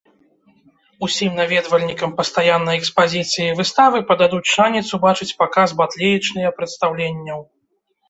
Усім наведвальнікам пастаяннай экспазіцыі і выставы пададуць шанец убачыць паказ батлеечныя прадстаўленняў.